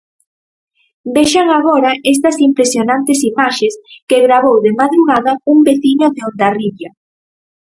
Vexan agora estas impresionantes imaxes que gravou de madrugada un veciño de Hondarribia.